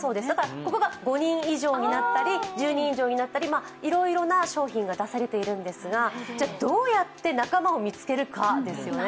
ここが５人以上になったり１０人以上になったりいろいろな商品が出されているんですが、どうやって仲間を見つけるかですよね。